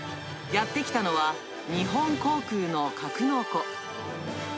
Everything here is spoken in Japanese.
やって来たのは、日本航空の格納庫。